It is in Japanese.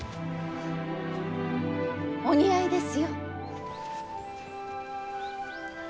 お似合いですよ。